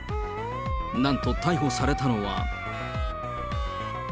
なんと逮捕されたのは。